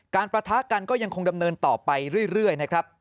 ประทะกันก็ยังคงดำเนินต่อไปเรื่อยนะครับ